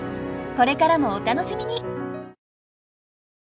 これからもお楽しみに。